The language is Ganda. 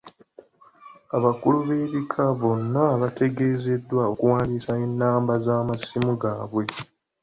Abakulu b'ebika bonna baategeezebwa okuwandiisa ennamba z'amasimu gaabwe.